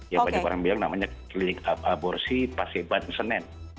yang banyak orang bilang namanya klinik aborsi pasieban senen